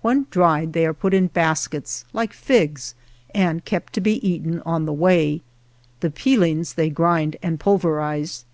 When dried they are put in baskets like 7 figs and kept to be eaten on the way. The peelings they grind and pulverize.